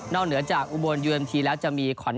นอกเหนือจากอุโมนยูอมทีแล้วจะมี